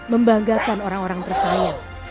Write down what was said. membanggakan orang orang tersayang